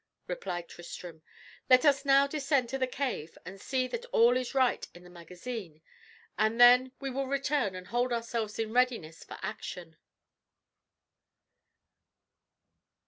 replied Tristram. "Let us now descend to the cave and see that all is right in the magazine, and then we will return and hold ourselves in readiness for action."